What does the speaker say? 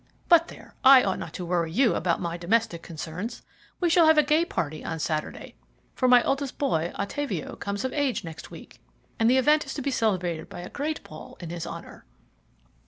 But, there, I ought not to worry you about my domestic concerns. We shall have a gay party on Saturday, for my eldest boy Ottavio comes of age next week, and the event is to be celebrated by a great ball in his honour."